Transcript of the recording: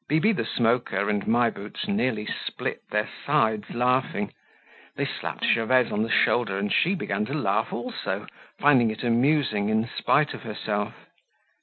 Bibi the Smoker and My Boots nearly split their sides laughing. They slapped Gervaise on the shoulder and she began to laugh also, finding it amusing in spite of herself.